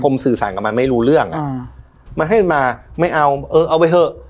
ผมสื่อสารกับมันไม่รู้เรื่องอ่ะมันให้มันมาไม่เอาเออเอาไปเถอะ